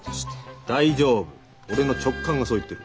俺の直感がそう言ってる。